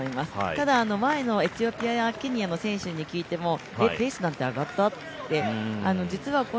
ただ、前のエチオピアやケニアの選手に聞いても、ペースなんて上がった？